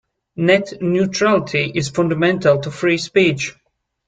Net neutrality is fundamental to free speech.